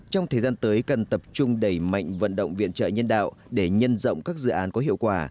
trong thời gian tới cần tập trung đẩy mạnh vận động viện trợ nhân đạo để nhân rộng các dự án có hiệu quả